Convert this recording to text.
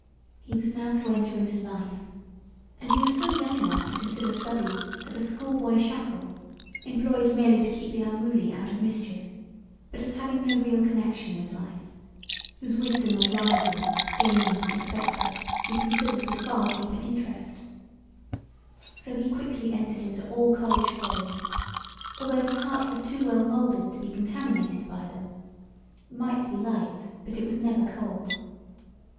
He was now to enter into life and he was still young enough to consider study as a school boy shackle, employed merely to keep the unruly out of mischief but as having no real connexion with life whose wisdom of riding gaming &c. he considered with far deeper interest So he quickly entered into all college follies although his heart was too well moulded to be contaminated by them it might be light but it was never cold.